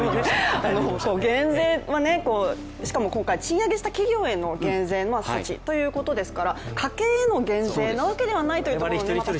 減税は、しかも今回、賃上げした企業への減税措置ですから家庭への減税措置ではないということは。